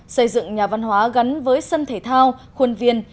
xây dựng nhà văn hóa gắn với sân thể thao khuôn viên